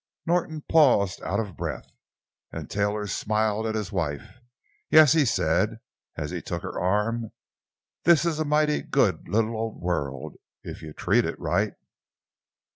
Norton paused, out of breath. And Taylor smiled at his wife. "Yes," he said, as he took her arm, "this is a mighty good little old world—if you treat it right."